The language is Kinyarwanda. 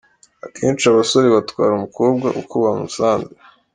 Akenshi abasore batwara umukobwa uko bamusanze.